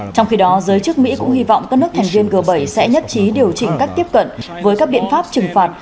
trong khi đó giới chức mỹ cũng hy vọng các nước thành viên g bảy sẽ nhất trí điều chỉnh cách tiếp cận với các biện pháp trừng phạt